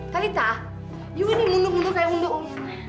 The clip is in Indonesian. talitha you ini mundur mundur kayak undur umur